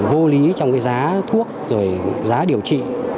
vô lý trong cái giá thuốc rồi giá điều trị